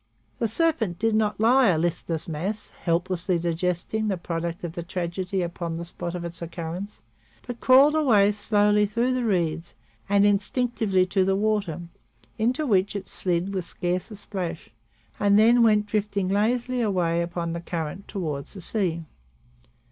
The serpent did not lie a listless mass, helplessly digesting the product of the tragedy upon the spot of its occurrence, but crawled away slowly through the reeds, and instinctively to the water, into which it slid with scarce a splash, and then went drifting lazily away upon the current toward the sea.